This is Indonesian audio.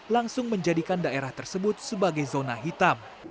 langsung menjadikan daerah tersebut sebagai zona hitam